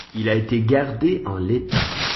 Il a été gardé en l'état.